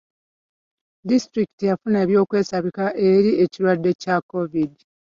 Disitulikiti yafuna eby'okwesabika eri ekirwadde kya covid.